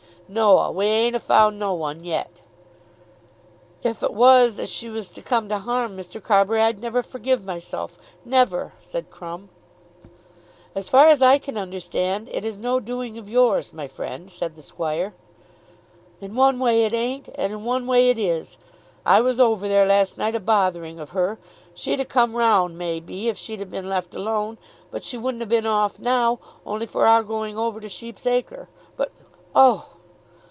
"Noa; we ain't a' found no one yet." "If it was as she was to come to harm, Mr. Carbury, I'd never forgive myself, never," said Crumb. "As far as I can understand it is no doing of yours, my friend," said the squire. "In one way, it ain't; and in one way it is. I was over there last night a bothering of her. She'd a' come round may be, if she'd a' been left alone. She wouldn't a' been off now, only for our going over to Sheep's Acre. But, oh!"